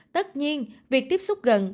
tất nhiên việc tiếp xúc gần